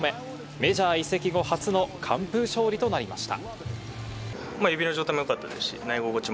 メジャー移籍後初の完封勝利となりました。